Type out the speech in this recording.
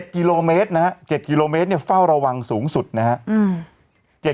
๗กิโลเมตรนะฮะ๗กิโลเมตรเฝ้าระวังสูงสุดนะครับ